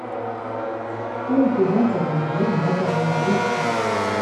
On peut donc admirer le matériau brut.